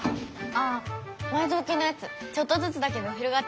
ああ埋蔵金のやつちょっとずつだけど広がっていってるみたい。